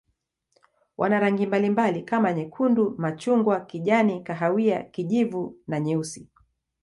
Wana rangi mbalimbali kama nyekundu, machungwa, kijani, kahawia, kijivu na nyeusi.